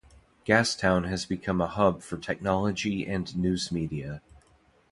Gastown has become a hub for technology and new media.